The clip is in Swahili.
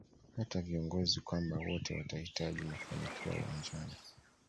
hata viongozi kwamba wote watahitaji mafanikio ya uwanjani